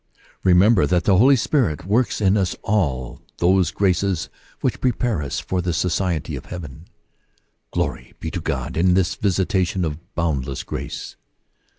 Remember that the Holy Spirit works in us all those graces which prepare us for the society of heaven. Glory be to God for this visitation of boundless grace